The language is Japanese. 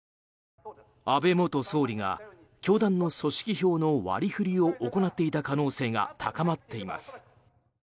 安倍元総理が教団の組織票の割り振りを行っていた可能性が高まっています。